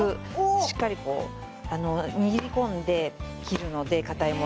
しっかり握り込んで切るので硬いものは。